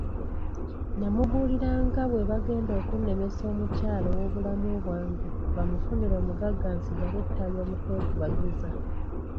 Namubuulira nga bwe bagenda okunnemesa omukyala w'obulamu bwange bamufunire omugagga nsigale ttayo mu kwekubagiza.